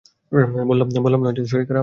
বললাম না শরীর খারাপ!